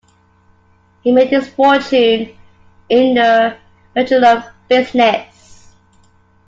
He made his fortune in the petroleum business.